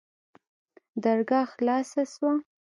درګاه خلاصه سوه.